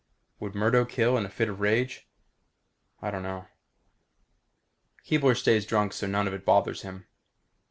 Would Murdo kill in a fit of rage? I don't know. Keebler stays drunk so none of it bothers him.